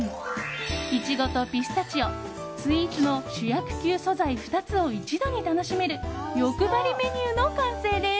イチゴとピスタチオスイーツの主役級素材２つを一度に楽しめる欲張りメニューの完成です。